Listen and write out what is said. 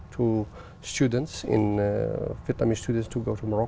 tôi có nghĩa là lý do và nhiều thứ khác